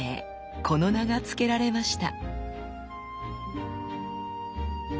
この名が付けられました。